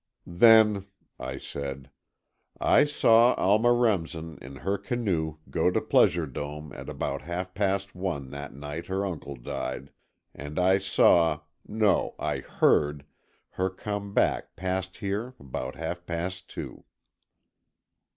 "Then," I said, "I saw Alma Remsen in her canoe go to Pleasure Dome at about half past one that night her uncle died, and I saw—no, I heard, her come back past here about half past two."